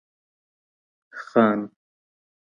خان